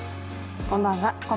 こんばんは。